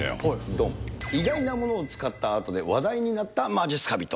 どん、意外なものを使ったアートで話題になったまじっすか人。